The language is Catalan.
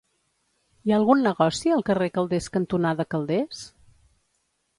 Hi ha algun negoci al carrer Calders cantonada Calders?